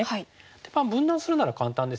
まあ分断するなら簡単ですよね。